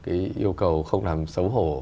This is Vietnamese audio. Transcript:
cái yêu cầu không làm xấu hổ